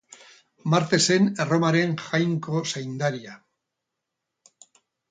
Marte zen Erromaren jainko zaindaria.